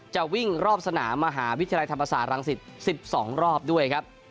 จะวิ่งรอบสนามมหาวิทยาลัยธรรมศาสตรังสิต๑๒รอบด้วยครับ